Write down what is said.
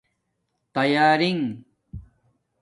تیارنگ